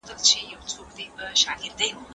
د مېوو جوس بدن ته تازه انرژي ورکوي.